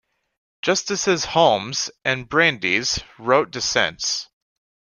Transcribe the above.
Justices Holmes and Brandeis wrote dissents.